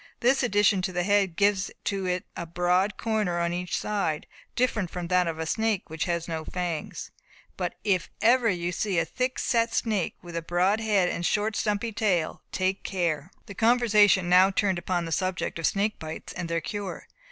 This addition to the head gives to it a broad corner on each side, different from that of a snake which has no fangs. But if ever you see a thick set snake with a broad head and a short stumpy tail, take care." The conversation now turned upon the subject of snake bites and their cure.